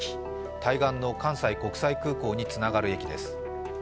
対岸の関西国際空港につながる駅です。